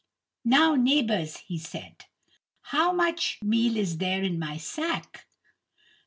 "Now, neighbours," he said, "how much meal is there in my sack?"